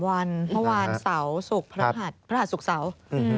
วันเมื่อวานเสาร์ศุกร์พระหัสพระหัสศุกร์เสาร์